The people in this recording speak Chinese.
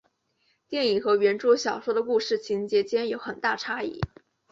电影和原着小说的故事情节间有很大差异。